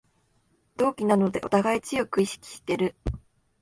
同期なのでおたがい強く意識してる